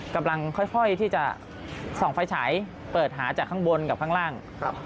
กำลังค่อยที่จะส่องไฟฉายเปิดหาจากข้างบนกับข้างล่าง